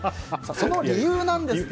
その理由なんですが。